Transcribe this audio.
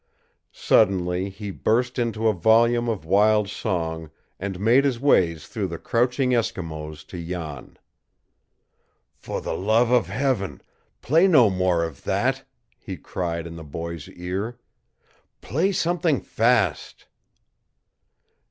Suddenly he burst into a volume of wild song, and made his way through the crouching Eskimos to Jan. "For the love of Heaven, play no more of that!" he cried in the boy's ear. "Play something fast!"